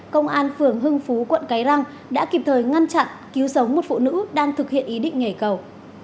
công an phường hưng phú quận cái răng đã kịp thời ngăn chặn cứu sống một phụ nữ đang thực hiện ý định nhảy cầu